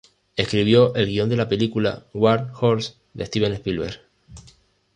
Escribió el guion de la película "War Horse", de Steven Spielberg.